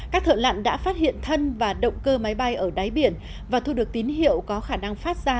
các thợ lặn đã phát hiện thân và động cơ máy bay ở đáy biển và thu được tín hiệu có khả năng phát ra